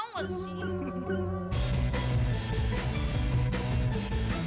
nyah itu siapa sih